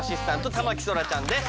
田牧そらちゃんです。